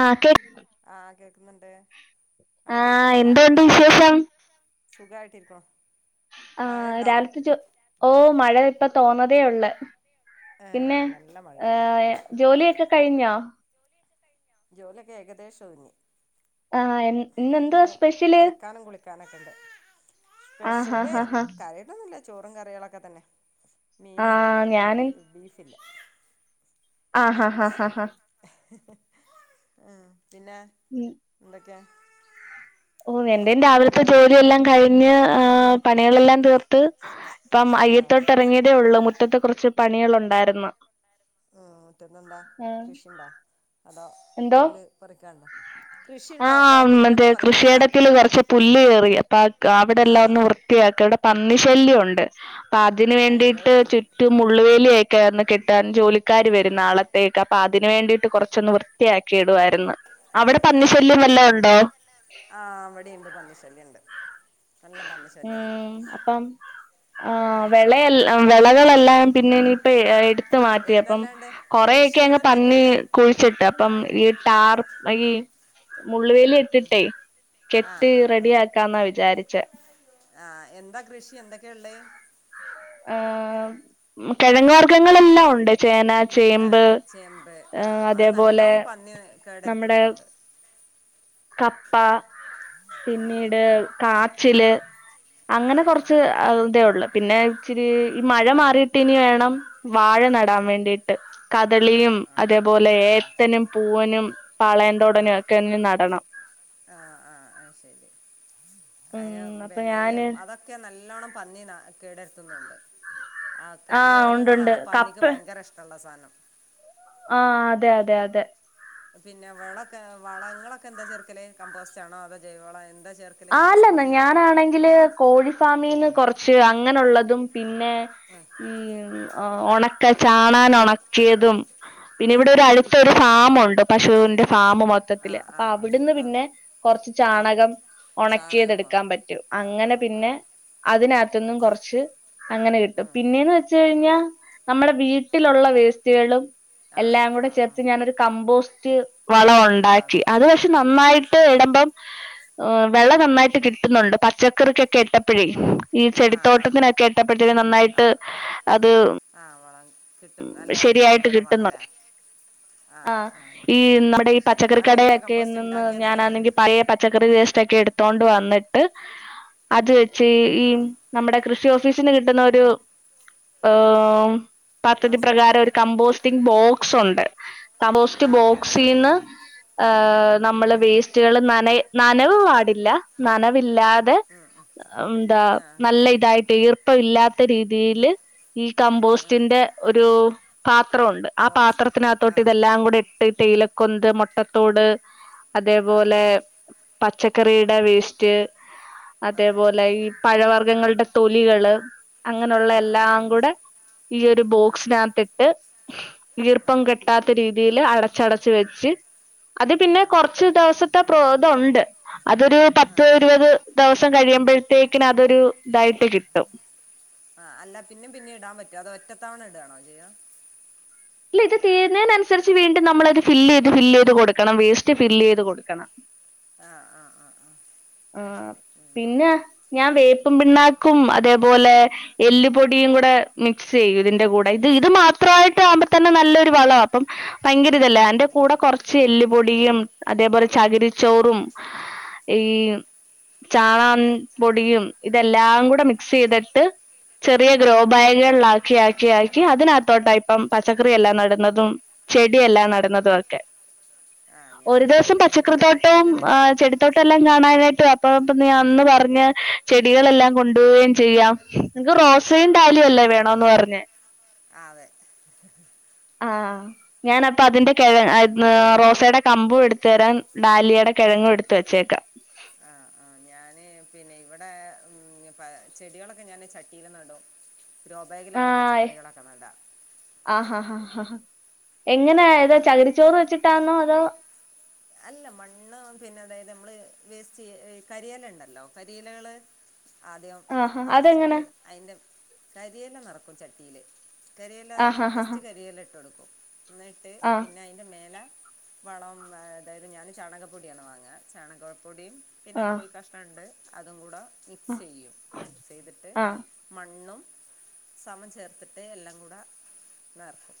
ആഹ് കേക്ക് ആഹ് കേക്ക്ന്ന്ണ്ട് അങ്ങട്ട് കേക്കുന്നുണ്ടോ സുഖായിട്ടിരിക്കണു ആഹ് രാവിലത്തെ ചോ ഓഹ് മഴ ഇപ്പ തോന്നതേ ഉള്ള് പിന്നെ ഏഹ് ജോലിയൊക്കെ കഴിഞ്ഞോ ജോലിയൊക്കെ ഏകദേശ ഒതുങ്ങി ആഹ് എൻ ഇന്നെന്തുവാ സ്പെഷല് നെക്കെണ്ട് സ്പെഷ്യല് കാര്യായിട്ടൊന്നും ഇല്ല ചോറും കറികളൊക്കെ തന്നെ മീനാണിന്ന് ഇന്ന് ബീ ബീഫില്ല ഉം പിന്നെ ഉം എന്തൊക്കെയാ ഉം എൻ്റേം രാവിലത്തെ ജോലിയെല്ലാം കഴിഞ്ഞ് ഏഹ് പണികളെല്ലാം തീർത്ത് ഇപ്പം അയ്യത്തോട്ട് എറങ്ങിയതേ ഉള്ളൂ മുറ്റത്ത് കൊറച്ച് പണികളുണ്ടായിരുന്നു. ഉം പിന്നെന്താ കൃഷിണ്ടോ അതോ പുല്ല് പറിക്കാണ്ടോ ആഹ് മറ്റേ കൃഷിയെടത്തില് കൊറച്ച് പുല്ല് കേറി അപ്പൊ ക് അവിടെ എല്ലാം ഒന്ന് വൃത്തി ർത്തിയാക്കാ ഇവിടെ പന്നിശല്യം ഉണ്ട് അപ്പൊ അതിന് വേണ്ടിട്ട് ചുറ്റും മുള്ളുവേലിയൊക്കെ [unintelligible] കെട്ട് ട്ടാൻ ജോലിക്കാര് വരും നാളത്തേക്ക് അപ്പൊ അതിന് വേണ്ടിട്ട് കൊറച്ചൊന്ന് വൃത്തിയാക്കി ഇടുവായിരുന്നു അത് ശരി ആഹ് ഇവിടെണ്ട് പന്നി ശല്ല്യം ഇണ്ട് ഉം അപ്പം ആഹ് വെളയെൽ ഉം വെളകളെല്ലാം പിന്നെ ഇനിയിപ്പ എ എടു ത്ത് മാറ്റിയപ്പം കൊറയൊക്കെ അങ്ങ് പന്നി കുഴിച്ചിട്ട് ട്ടാർ ഈ മുള്ള് വേലിയെട് ത്തിട്ടേ കെട്ടി റെഡിയാക്കാന്നാ വിചാരിച്ചേ ആഹ് എന്താ കൃഷി എന്തൊക്കെയാ ഇള്ളെ ഏഹ് കെഴങ്ങ് വർഗങ്ങളെല്ലാം ഒണ്ട് ചേന ചേമ്പ് അതേപോലെ നമ്മടെ കപ്പ പിന്നീട് കാച്ചില് അങ്ങനെ കൊറച്ച് അ ഇതേ ഒള്ള് പിന്നെ ഇച്ചിരി ഈ മഴ മാറിയിട്ട് ഇനി വേണം വാഴ നടാൻ വേണ്ടീട്ട് കദളിയും അതേപോലെ ഏത്തനും, പൂവനും, പാളയന്തോടനും ഒക്കെ ഇനി നടണം ആഹ് ആഹ് ആയ് ശരി അതിന് പിന്നെ ഈ അതൊക്ക് ക്ക്യാ നല്ലോണം പന്നി ന കേടരുത്തുന്നുണ്ട് ആഹ് കെഴങ്ങ് വർഗങ്ങളാണ് പന്നിക്ക് ഭയങ്കര ഇഷ്ട്ടള്ള സാധനം ആഹ് അതെ അതെ അതെ പിന്നെ വെളക്കെ വളങ്ങളൊക്കെ എന്താ ചേർക്കല്? കമ്പോസ്റ്റ് ആണോ അതോ ജൈവളം എന്താ ചേർക് ആഹ് അല്ലല്ല ഞാനാണെങ്ക് ങ്കില് കോഴി ഫാമീന്ന് കൊറച്ച് അങ്ങനൊള്ളതും പിന്നെ ഉം ഒണക്ക ചാണാൻ ഒണക്കിയതും പിന്നെ ഇവിടെ ഒരു അടുത്തൊരു ഫാമൊണ്ട് പശുവിന്റെ ഫാം മൊത്തത്തില് അപ്പൊ അവിടുന്ന് പിന്നെ കൊറച്ച് ചാണകം ഒണക്കിയത് എടുക്കാൻ പറ്റും അങ്ങനെ പിന്നെ അതിനാത്ത്ന്നും കൊറച്ച് അങ്ങനെ കിട്ടും പിന്നെ എന്ന് വെച്ചു കഴിഞ്ഞാ നമ്മളെ വീട്ടിലൊള്ള വേസ്റ്റുകളും എല്ലാം കൂടെ ചേർത്ത് ഞാനൊരു കമ്പോസ്റ്റ് വള ഒണ്ടാക്കി അത് പക്ഷെ നന്നായിട്ട് ഇടുമ്പം ഹ് വെള നന്നായിട്ട് കിട്ടുന്നൊണ്ട് പച്ചക്കറിക്കൊക്കെ ഇട്ടപ്പഴേ ഈ ചെടിത്തോട്ടത്തിനൊക്കെ ഇട്ടപ്പെത്തിന് നന്നായിട്ട് അത് ആ വളം കിട്ടും നല്ല വള വിളവാണല്ലേ ആ അ അയ് ശരി അയെങ്ങനെ കമ്പോസ്റ്റ് ണ്ടാക്കിയത് എങ്ങനെ? പയേ പച്ചക്കറി വേസ്റ്റോക്കെ എടുത്തോണ്ട് വന്നിട്ട് അത് വെച്ച് ഈ- നമ്മുടെ കൃഷി ഓഫീസിന്ന് കിട്ടുന്ന ഒരു ഓം പദ്ധതി പ്രകാരം ഒരു കമ്പോസ്റ്റിംങ് ബോക്സൊണ്ട് കമ്പോസ്റ്റ് ബോക്സീന്ന് ഹ് നമ്മള് വേസ് റ്റെള് നനെയ് നനവ് പാടില്ല നനവില്ലാ- ത്ത് മ് ന്താ നല്ല ഇതായിട്ട് ഈർപ്പം ഇല്ലാത്ത രീതിയില്- ഈ കമ്പോസ്റ്റിന്റെ ഒരു പാത്രൊണ്ട് ആ പാത്രത്തിനകത്തോട്ട് ഇതെല്ലാം കൂടെ ഇട്- ട്ടിട്ട് ഉലക്കൊന്ത് മുട്ടത്തോട് അതേപോലെ- പച്ചക്കറീടെ വേസ്റ്റ് അതേപോലെ ഈ- പഴവർഗങ്ങളുടെ തൊലികള് അങ്ങനെയുള്ള എല്ലാം കൂടെ ഈ ഒരു ബോക്- നത്തിട്ട് ഈർപ്പം കിട്ടാത്ത രീതിയില് അടച്ചടച്ച് വെച്ച്- അത് പിന്നെ കൊറച്ച് ദെവസത്തെ പ്രോ തൊണ്ട് അതൊരു പത്ത് ഇരുപത് ദെവസം കഴിയുമ്പോഴത്തേക്കിന് അതൊരു ഇതായിട്ട് കിട്ടും ആ അല്ല പിന്നെ പിന്നെ ഇടാൻ പറ്റോ അതോ ഒറ്റത്തവണ ഇടാണോ ചെയ്യാ ഇല്ല ഇത് തീരുന്നതിനനുസരിച്ച് വീണ്ടും നമ്മളത് ഫില്ലെയ്ത് ഫില്ലെയ്ത് കൊടുക്കണം വേസ്റ്റ് ഫില്ലെയ്ത് കൊടുക്കണം ആ ആ ആ ആ ഹ് പിന്നെ ഞാൻ വേ പ്പും പിണ്ണാക്കും അതേപോലെ എല്ലുപൊടിയും കൂടെ മിക്സ് ചെയ്യും ഇതിന്റെ കൂടെ തയിത് ഇത് മാത്രായിട്ട് ആവുമ്പോതന്നെ നല്ലൊരു വളാ അപ്പം ഭയങ്കര ഇതല്ലേ അയിന്റെ കൂടെ കൊറ ച്ചെല്ലിപൊടിയും അതേപോലെ ചകിരിച്ചോറും ഈ ചാന്ന് പൊടിയും ഇതെല്ലാം കൂടെ മിക്സ് ചെയ്തിട്ട് ചെറിയ ഗ്രോബാഗുകളിലാക്കി ആക്കി ആക്കി അതിനകത്തോട്ടാ ഇപ്പം പച്ചക്കറി എല്ലാം നടുന്നതും ചെടിയല്ലാം നടുന്നതു ഒക്കെ ഒരു ദിവസം പച്ചക്കറിത്തോട്ടോൻ ഒ ചെടി ത്തോട്ടെല്ലാം കാണാനായിട്ട് വാ അപ്പൊ പ്പൊ നീ അന്ന് പറഞ്ഞ ചെടികളെല്ലാം കൊണ്ടു പോകേം ചെയ്യാം നിനക്ക് റോസയും ഡാലിയും അല്ലേ വേണോന്ന് പറഞ്ഞെ ആ അതെ ആ ഞാനപ്പതിന്റെ കെഴ അയിന്നു റോസേടെ കമ്പും എടുത്ത് തരാൻ ഡാലിയുടെ കെഴങ്ങും എടുത്ത് വെച്ചേക്കാം ആ ആ ഞാന് ഏ പിന്നെ ഇവടെ ഉം പെ ചെടികളൊക്കെ ഞാന് ചട്ടീൽ നടും ഗ്രോ ബാഗിലാണ് പച്ചക്കറികളൊക്കെ നട ആ ഹാ ഹാ ഹ ഹാ എങ്ങനെ ഏതോ ചകിരിച്ചോറ് വെച്ചിട്ടാണോ അതോ അല്ല മണ്ണ് പിന്നെ അതായത് നമ്മള് വേസ്റ്റ് ചെയ്യ കരില ഉണ്ടല്ലോ കരിയിലകള് ആദ്യം നെറച്ചിട്ട് അതിൻ്റെ കരിയെല്ലാം നിറക്കും ചട്ടീല് കരിയില ഫസ്റ്റ് കരിയില ഇട്ടൊടുക്കും ന്നിട്ട് പിന്നെ അയി ന്റെ മേലെ വളോം അതായത് ഞാൻ ചാണകപ്പൊടിയാണ് വാങ്ങാ ചാണകപ്പൊടിയും പിന്നെ കോയി കാഷ്ടണ്ട് അതും കൂടെ മിക്സെയ്യും മിക്സെയ്തിട്ട് മണ്ണും സമം ചേർത്തിട്ട് എല്ലാം കൂടെ നെറക്കും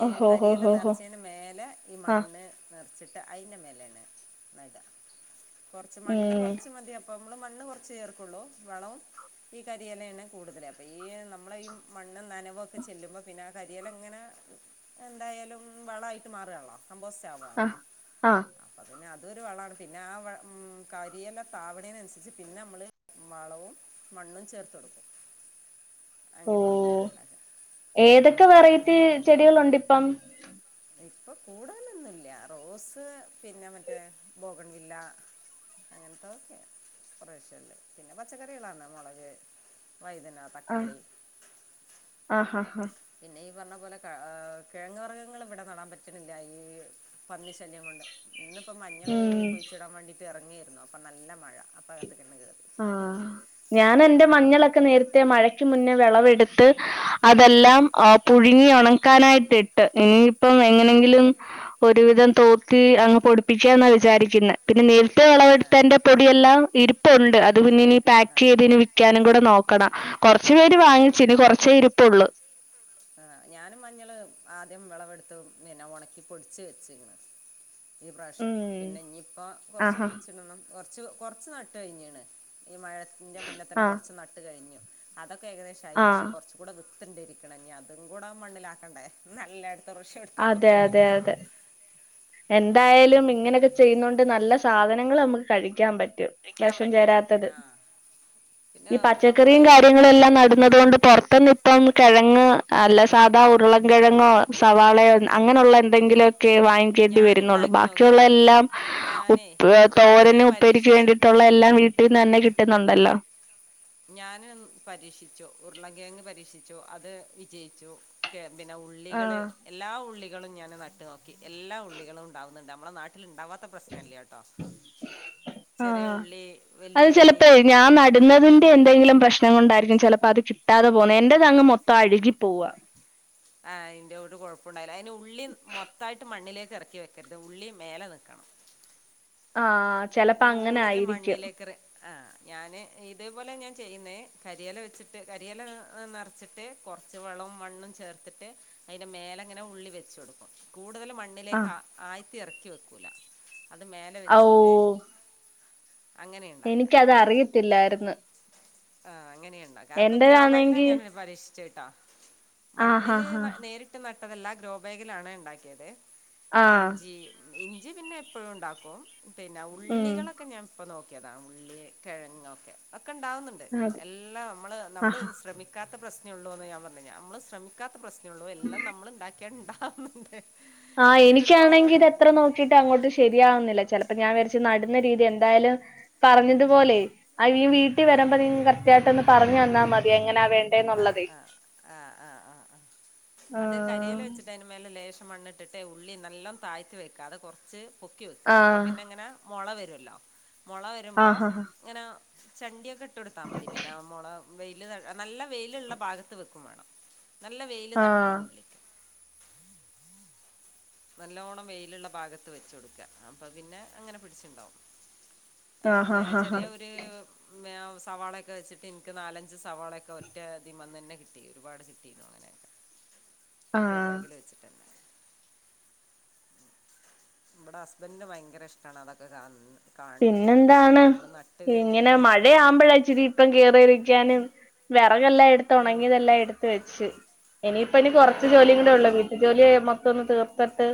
ഈ കരിയെല നെറചീന് മേലെ ഈ മണ്ണ് നെറച്ചിട് ട്ട് അയിൻ്റെ മേലേണ് നട കൊറച്ചു മണ്ണ് കൊറച്ച് മതി അപ്പം മ്മള് മണ്ണ് കൊറച്ച് ചേർക്കുള്ളൂ വളവും ഈ കരിലന്നെ കൂടുതല് അപ്പൊ ഈ നമ്മള ഈ മണ്ണും നനവൊക്കെ ചെല്ലുമ്പോ പിന്നെ ആ കരിയെലങ്ങനെ എന്തായാലും വളായിട്ട് മാറാണല്ലോ? കമ്പോസ്റ്റ് ആവാണല്ലോ ആ അപ്പതന്നെ അതൊരു വളാണ് പിന്നെ ആ മ്മ് കരിയെല താവണേനനുസരിച്ച് പിന്നെ നമ്മള് വളവും മണ്ണും ചേർത്ത്ടുക്കും ഓ ഏതൊക്കെ വെറൈറ്റി ചെടികളുണ്ട് ഇപ്പം ഇപ്പൊ കൂടുതലൊന്നുല്ല റോസ് പിന്നെ മറ്റേ ബോഗൺ വില്ല അങ്ങനത്തെൊക്കെ കുറേശെ ഉണ്ട് പിന്നെ പച്ചക്കറികളാണ് മുളക്, വഴുതന തക്കാളി പിന്നെ ഈ പറഞ്ഞ പോലെ കിടങ്ങ് വർഗങ്ങൾ ഇവിടെ നടാൻ പറ്റുന്നില്ല ഈ പന്നി ശ ല്യം കൊണ്ട് ഇന്നിപ്പ മഞ്ഞൾ കുഴിച്ചിടാൻ വേണ്ടിട്ട് ഇറങ്ങിയിരുന്നു അപ്പൊ നല്ല മഴ ആഹ് ഞാൻ എന്റെ മഞ്ഞളൊക്കെ നേരത്തെ മഴക്ക് മുന്നേ വിളവെടുത്ത് അതെല്ലാം പുഴുങ്ങി ഉണക്കാനായിട്ട് ഇട്ട് ഇനിയിപ്പം എങ്ങനെങ്കിലും ഒരുവിധം തോത്തി അങ്ങ് പൊടിപ്പിക്ക എന്നാണ് വിചാരിക്കുന്നത് പിന്നെ നേരത്തെ വിളവെടുത്തതിന്റെ പൊടിയെല്ലാം ഇരിപ്പുണ്ട് അത് പിന്നെ ഇനി പാക്ക് ചെയ്ത് ഇനി വിൽക്കാനും കൂടെ നോക്ക ക്കണ കുറച്ചു പേര് വാങ്ങിച്ചിന് കുറച്ചേ ഇരിപ്പ ഉള്ളു ആഹ് ഞാനും മഞ്ഞള് ആദ്യം വിളവെടുത്ത് പിന്നെ ഉണക്കി പൊടിച്ചു വെച്ചകണ്. ഈ പ്രാവശ്യം പിന്നെ ഇനിയിപ്പ കുറച്ച് കുഴിച്ചിടണം. കുറച്ച് കുറച്ച് നട്ട് കഴിഞ്ഞാണ് ഈ മഴത്തിൻ്റെ മുന്നേ തന്നെ കുറച്ച് നട്ട് കഴിഞ്ഞു. അതൊക്കെ ഏകദേശം ആയി പക്ഷെ കുറച്ച് കൂടെ വിത്തണ്ടിരിക്കന് നി അതും കൂടെ മണ്ണിലാക്കണ്ടേ നല്ലടത്ത ത്ര വർഷം എടുക്കാൻ പറ്റുള്ളൂ. എന്തായാലും ഇങ്ങനെയൊക്കെ ചെയ്യുന്നുണ്ട് നല്ല സാധനങ്ങൾ നമുക്ക് കഴിക്കാൻ പറ്റും വിഷം ചേരാത്തത് ഈ പച്ചക്കറിം കാര്യങ്ങളെല്ലാം നട ന്നത് കൊണ്ട് പുറത്ത്ന്ന് ഇപ്പം കിഴങ്ങ് അല്ല സാധാ ഉരുളൻകിഴങ്ങോ സവാളയോ അങ്ങനെയുള്ള എന്തെങ്കിലുവൊക്കെ വാങ്ങിക്കേണ്ടി വരുന്നുള്ളൂ ബാക്കിയുള്ള എല്ലാം ഉപ്പ് തോരന് ഉപ്പേരിക്ക് വേണ്ടിയിട്ടുള്ള എല്ലാം വീട്ടിൽ നിന്ന് തന്നെ കിട്ടുന്നുണ്ടല്ലോ ഞാന് പരീക്ഷിച്ചു ഉരുളകിഴങ് പരീക്ഷിച്ചു അത് വിജയിച്ചു. ക്ക്‌ പിന്നെ ഉള്ളികള് എല്ലാ ഉള്ളികളും ഞാൻ നട്ട് നോക്കി എല്ലാ ഉള്ളികളും ഉണ്ടാവുന്നുണ്ട് നമ്മളുടെ നാട്ടില ഉണ്ടാവാ ത്ത പ്രേശ്നല്ലെട്ടോ ചെറിയ ഉള്ളി, വല്യ ഉള്ളി ഇടുന്നതിന്റെ എന്തെങ്കിലും പ്രശ്നം കൊണ്ടായിരിക്കും ചിലപ്പോ അത് കിട്ടാതെ പോന്നെ എന്റെത് അങ് മൊത്തം അഴുകി പോവാ ആഹ് അയിൻ്റെ ഒരു കുഴപ്പോണ്ടായില്ല അയിന് ഉള്ളി മൊത്തായിട്ട് മണ്ണിലേക്ക് ഇറക്കി വെക്കരുത് ഉള്ളി മേലെ നിൽക്കണം. ആഹ് ചെലപ്പോ അങ്ങനെ ആയിരിക്കും. ആഹ് ഞാൻ ഇതുപോലെ ഞാൻ ചെയ്യുന്നെ കരിയില വെച്ചിട്ട് കരിയില നിറച്ചിട്ട് കുറ ച്ചു വളവും മണ്ണും ചേർത്തിട്ട് അയിന്റെ മേലങ്ങനെ ഉള്ളി വെച്ച് കൊടുക്കും കൂടുതലും മ ണ്ണിലേക്ക് ആയ്ത്തി ഇറക്കി വെക്കൂല അത് മേലെ വെച്ചിട്ട് അങ്ങനെ ഉണ്ടാക്കാം ആഹ് അങ്ങനെ ഉണ്ടാ ക്കാം അതൊക്കെ ഗ്രോ ബാഗിലാ ഞാൻ പരീക്ഷിച്ചത് കേട്ടാ മണ്ണില് നേരി ട്ട് നട്ടതല്ലാ ഗ്രോബാഗിലാണ് ഉണ്ടാക്കിയത്. ഇഞ്ചി ഇഞ്ചി പിന്നെ എപ്പോഴും ഉണ്ടാക്കും. പിന്നെ ഉള്ളികളൊക്കെ ഞാൻപ്പോ നോ ക്കിയതാ ഉള്ളി കിഴങ് ഒക്കെ ഒക്കെ ഉണ്ടാവുന്നുണ്ട് എല്ലാം നമ്മള് നമ്മള് ശ്രമി ക്കാത്ത പ്രേശനേള്ളു എന്ന് ഞാൻ പറഞ്ഞില്ലേ നമ്മള് ശ്രമിക്കാത്ത പ്രശ്നെ ഉള്ളു എല്ലാം നമ്മൾ ഉണ്ടാ ക്കിയ ഉണ്ടാവുന്നുണ്ട്. ആഹ് എനിക്കാണെങ്കിൽ ഇത് എത്ര നോ ക്കിട്ടും അങ്ങോട്ട് ശരിയാവുന്നില്ല. ചിലപ്പോ ഞാൻ വിചരിച്ച് നടുന്ന രീതി എന്തായാലും പറഞ്ഞത് പോലെ ആ വീട്ടിൽ വരുമ്പോ നീ കറക്റ്റ് ആയിട്ട് ഒന്ന് പറഞ്ഞ് തന്നാൽ മ തി എങ്ങനാ വേ ആഹ് ആഹ് ആഹ് ആഹ് ആഹ് അത് കരിയില വെച്ചി ട്ടാന്നെ അതിന് മേലെ ലേശം മണ്ണിട്ടിട്ട് ഉള്ളി നല്ലോം താഴ്ത്തി വയ്ക്കുക അത് കുറച്ച് പൊക്കി വയ്ക്കുക അപ്പോൾ പിന്നെ ഇങ്ങനെ മുള വരുല്ലോ മുള വരുമ്പോ ഇങ്ങനെ ചെണ്ടിയൊക്കെ ഇട്ട് കൊടുത്താ മതി പിന്നെ മുള വെയിൽ നല്ല വെയിലുള്ള ഭാഗത്ത് വെക്കും വേണം നല്ല വെയില് തട്ടണം ഉള്ളി നല്ലോണ്ണം വെയിലുള്ള ഭാഗത്ത് വെച്ച് കൊടുക്ക അപ്പൊ പിന്നെ അങ്ങനെ പിടിച്ചുണ്ടാവും. ആഹ് ചെറിയ [unintelligible] ള്ളി [unintelligible] സവാളയൊക്കെ വെച്ചിട്ട് എനിക്ക് നാലഞ്ച് സവാളയൊക്കെ ഒറ്റ ആദ്യന്നെ കിട്ടി ഒരുപാട് കിട്ടീ അങ്ങനെക്കെ ഗ്രോ ബാഗില് വെച്ചിട്ട്- ഇവിടെ ഹസ്ബന്റിന് ഭയങ്കര ഇഷ്ടമാണ് അതൊക്കെ കാ കാണുന്നത് പിന്നെ ഞമ്മള് നട്ട് കഴിഞ് ഇങ്ങനെ - എവിടെ ആവുമ്പോഴാച്ചിരി ഇപ്പം കേറി ഇരിക്കാനും വെറകെല്ലാം എടുത്ത് ഒണങ്ങിയതെല്ലാം എടുത്ത് വെച്ച് ഇനിയിപ്പ ഇനി കൊറച്ച് ജോലിയും കൂടെ ഉള്ളൂ ജോലി മൊത്തം ഒന്ന് തീർത്തിട്ട്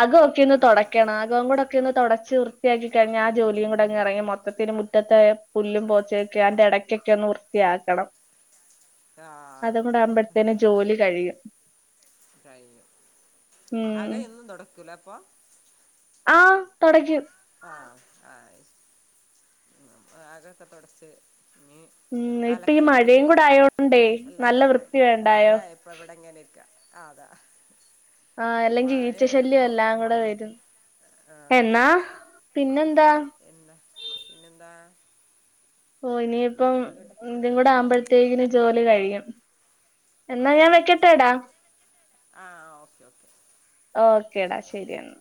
അകയൊക്കെ ഒന്ന് തൊടക്കണം അകൊവും കൂടെ ഒന്ന് ക്കെ ഒന്ന് തൊടച്ച് വൃത്തിയാക്കി കഴിഞ്ഞ ആ ജോലിയും കൂടങ്ങ് ഇറങ്ങി മൊത്തത്തിന്ന് മുറ്റത്തെ പുല്ലും പോച്ചൊക്കെ അതിന്റെടെക്കൊക്കെ ഒന്ന് വൃത്തിയാക്കണം [inaudible] അതും കൂടെ ആകുമ്പോഴ്ത്തേന് ജോലി കഴിയും കഴിഞ്ഞ് അകം എന്നും തൊടക്കൂല അപ്പൊ ആഹ് തൊടയ്ക്കും ആഹ് ആഹ് അകം ഒക്കെ തൊടച്ച്- ഉം അലക്കലും കുളിയും കഴിഞ്ഞിട്ടില്ല അല്ലാത്തൊക്കെ മഴ ആയ ഇപ്പോ ഇവിടെ ഇങ്ങനെ ഇരിക്കാ ആഹ് അതാ ആഹ് അല്ലെങ്കിൽ ഈച്ച ശല്യം എല്ലാം കൂടെ വരും എന്നാ- പിന്നെ എന്താ എന്താ പിന്നെന്താ ഓഹ് ഇനിയിപ്പം ഇതും കൂടെ ആവുമ്പോഴത്തേക്കിന് ജോലി കഴിയും എന്നാ ഞാൻ വെക്കെട്ടെടാ ആഹ് ഓക്കെ ഓക്കേ ഓക്കേടാ ശരിയെന്നാ